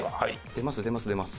出ます出ます出ます。